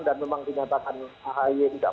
memang dinyatakan ahy tidak